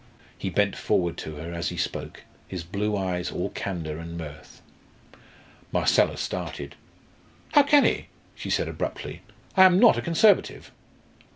He bent forward to her as he spoke, his blue eyes all candour and mirth. Marcella started. "How can he?" she said abruptly. "I am not a Conservative."